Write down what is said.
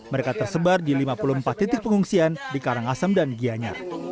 mereka tersebar di lima puluh empat titik pengungsian di karangasem dan gianyar